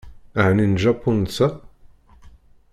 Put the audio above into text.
Ɛni n Japu netta?